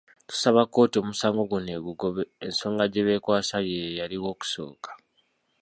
Tusaba kkooti omusango guno egugobe, ensonga gye beekwasa yeeyo eyaliwo okusooka.